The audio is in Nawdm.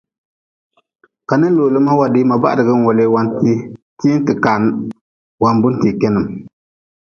Ka ni looli ma wadii ma jum, ma bahdg-n welee wantee, tii-n te kaan lee wan-buntee kenim.